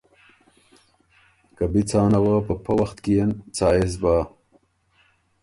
که بی څانه وه په پۀ وخت کيېن څا يې سُو بۀ؟“